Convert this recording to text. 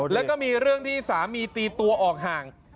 แล้วก็มีเรื่องที่สามีตีตัวออกห่าง